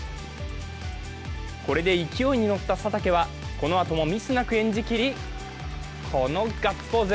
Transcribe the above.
これで勢いに乗った佐竹はこのあともミスなく演じきり、このガッツポーズ。